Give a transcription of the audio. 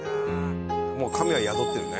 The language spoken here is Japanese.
もう神は宿ってるね。